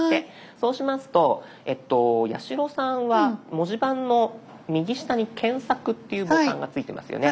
そうしますと八代さんは文字盤の右下に「検索」っていうボタンがついてますよね。